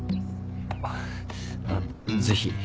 あっぜひ。